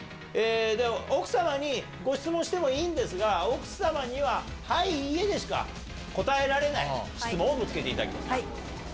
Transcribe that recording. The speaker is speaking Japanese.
では奥様にご質問してもいいんですが、奥様には、はい、いいえでしか答えられない質問をぶつけていただきます。